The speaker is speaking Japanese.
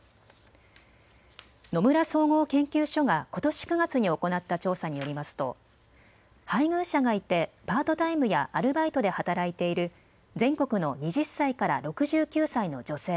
野村総合研究所がことし９月に行った調査によりますと配偶者がいてパートタイムやアルバイトで働いている全国の２０歳から６９歳の女性